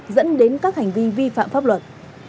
dẫn đến các hành vi vi phạm pháp luật